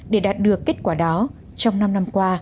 để đạt được kết quả đó trong năm năm qua